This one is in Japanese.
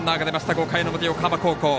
５回の表、横浜高校。